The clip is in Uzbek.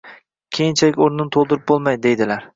keyinchalik o‘rnini to‘ldirib bo‘lmaydi, deydilar.